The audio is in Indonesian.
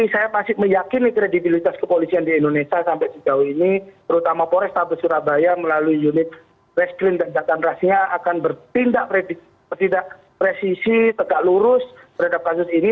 saya masih meyakini kredibilitas kepolisian di indonesia sampai sejauh ini terutama porestabes surabaya melalui unit reskrim dan jatan rasnya akan bertindak presisi tegak lurus terhadap kasus ini